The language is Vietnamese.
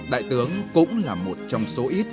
đại tướng cũng là một trong số ít